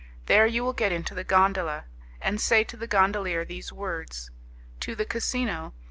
There you will get into the gondola, and say to the gondolier these words: 'To the casino.